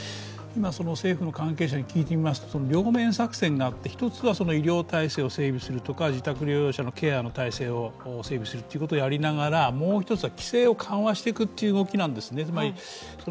今、政府の関係者に聞いてみますと、両面作戦になって一つは医療体制を整備するとか自宅療養者のケアの態勢を整備するということでもう一つは規制を緩和していくという動きなんですね。